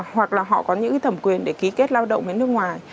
hoặc là họ có những thẩm quyền để ký kết lao động với nước ngoài